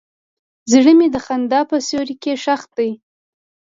زړه مې د خندا په سیوري کې ښخ دی.